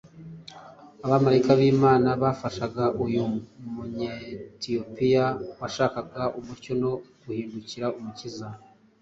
Abamarayika b’Imana bafashaga uyu Munyetiyopiya washakaga umucyo no guhindukirira Umukiza.